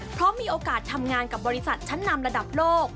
เพราะมีโอกาสทำงานกับบริษัทชั้นนำระดับโลก